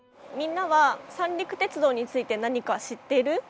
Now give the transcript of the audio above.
みんなは三陸鉄道について何か知ってる？